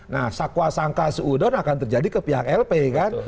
nah sakwa sangka seudon akan terjadi ke pihak lp kan